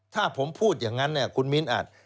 ถ้าผมพูดอย่างนั้นเนี่ยคุณมิ้นอาจ